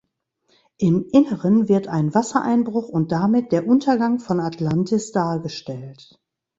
Im Inneren wird ein Wassereinbruch und damit der Untergang von Atlantis dargestellt.